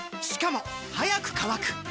しかも速く乾く！